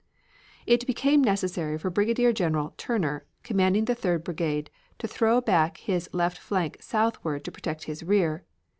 It became necessary for Brigadier General Turner, commanding the Third brigade, to throw back his left flank southward to protect his rear.